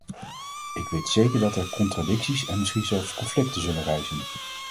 Ik weet zeker dat er contradicties en misschien zelfs conflicten zullen rijzen.